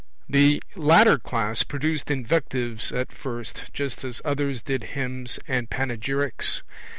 The latter class produced invectives at first, just as others did hymns and panegyrics.